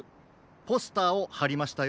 ポスターをはりましたよ。